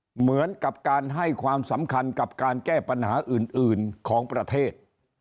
เหมือนกับการให้ความสำคัญกับการแก้ปัญหาอื่นของประเทศ